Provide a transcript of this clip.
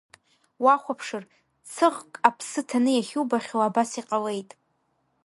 Уахәаԥшыр, цыӷк аԥсы ҭаны иахьубахьоу абас иҟалеит.